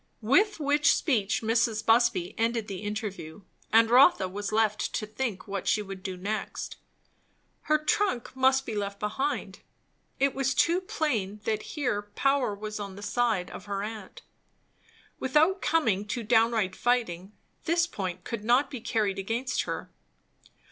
With which speech Mrs. Busby ended the interview; and Rotha was left to think what she would do next. Her trunk must be left behind. It was too plain that here power was on the side of her aunt. Without coming to downright fighting, this point could not be carried against her.